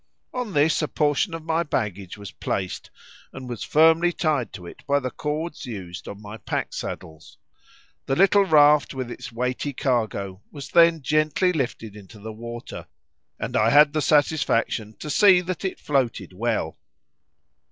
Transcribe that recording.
On this a portion of my baggage was placed, and was firmly tied to it by the cords used on my pack saddles. The little raft with its weighty cargo was then gently lifted into the water, and I had the satisfaction to see that it floated well.